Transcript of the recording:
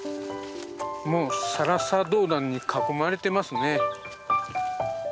もうサラサドウダンに囲まれてますね。